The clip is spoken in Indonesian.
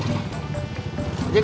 cepat cepan aja bang